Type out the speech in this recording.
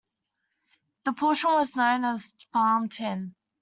This portion was known as farm tin.